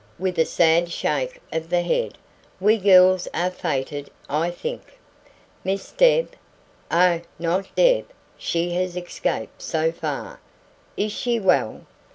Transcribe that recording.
with a sad shake of the head. "We girls are fated, I think." "Miss Deb?" "Oh, not Deb; she has escaped so far." "Is she well?"